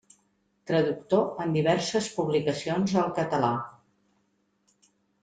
Traductor en diverses publicacions al català.